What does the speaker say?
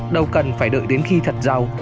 đâu cần phải đợi đến khi thật giàu